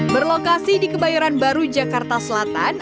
berlokasi di kebayoran baru jakarta selatan